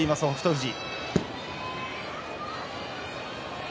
富士。